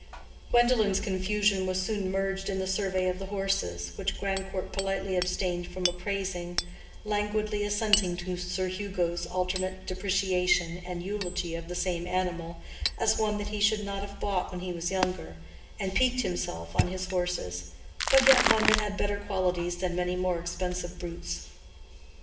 Gwendolen's confusion was soon merged in the survey of the horses, which Grandcourt politely abstained from appraising, languidly assenting to Sir Hugo's alternate depreciation and eulogy of the same animal, as one that he should not have bought when he was younger, and piqued himself on his horses, but yet one that had better qualities than many more expensive brutes.